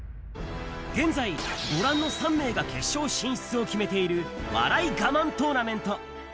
現在、ご覧の３名が決勝進出を決めている、笑い我慢トーナメント。